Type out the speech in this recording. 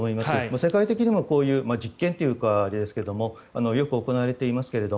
世界的にもこういう実験というとあれですがよく行われています。